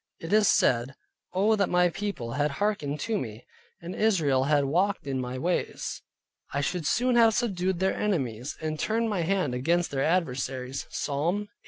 It is said, "Oh, that my People had hearkened to me, and Israel had walked in my ways, I should soon have subdued their Enemies, and turned my hand against their Adversaries" (Psalm 81.